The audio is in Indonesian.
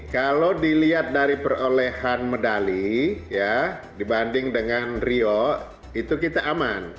kalau dilihat dari perolehan medali ya dibanding dengan rio itu kita aman